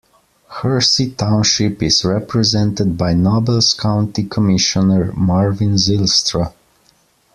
Hersey Township is represented by Nobles County Commissioner Marvin Zylstra.